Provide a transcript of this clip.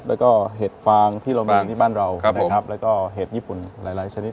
แล้วก็เห็ดฟางที่เรามีอยู่ที่บ้านเรานะครับแล้วก็เห็ดญี่ปุ่นหลายหลายชนิด